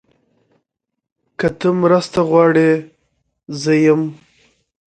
که ته مرسته غواړې، زه یم.